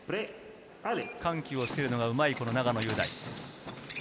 緩急をつけるのがうまい、永野雄大。